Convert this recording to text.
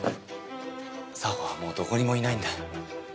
沙帆はもうどこにもいないんだ。